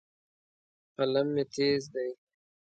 قلم مې تیز دی.